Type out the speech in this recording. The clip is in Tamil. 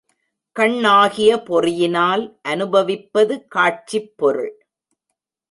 கண்ணாகிய பொறியினால் அநுபவிப்பது காட்சிப் பொருள்.